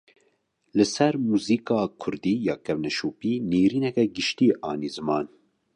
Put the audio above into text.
Li ser muzika Kurdî ya kevneşopî, nêrîneke giştî anî ziman